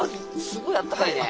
すごいあったかいね。